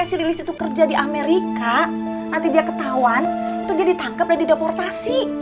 kalau sampai si lilis itu kerja di amerika nanti dia ketahuan itu dia ditangkep dan dideportasi